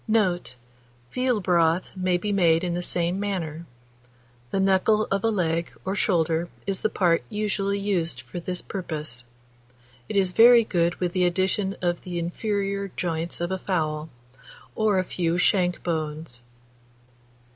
Note. Veal broth may be made in the same manner; the knuckle of a leg or shoulder is the part usually used for this purpose. It is very good with the addition of the inferior joints of a fowl, or a few shank bones.